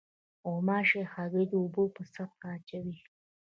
غوماشې هګۍ د اوبو په سطحه اچوي.